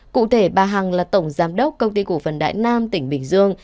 cụ thể bà hằng là tổng giám đốc công ty cổ phần đại nam tỉnh bình dương